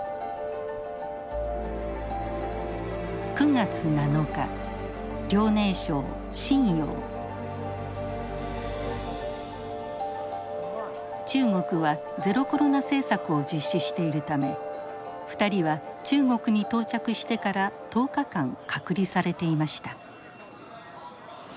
９月７日中国は「ゼロコロナ」政策を実施しているため２人は中国に到着してから１０日間隔離されていました。